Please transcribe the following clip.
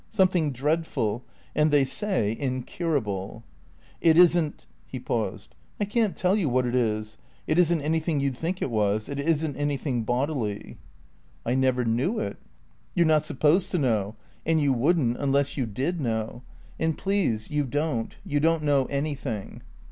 "Something dreadful. And they say incurable." "It isn't ?" He paused. "I can't tell you what it is. It isn't anything you'd think it was. It isn't anything bodily." "I never knew it." "You're not supposed to know. And you wouldn't, unless you did know. And please you don't; you don't know anything."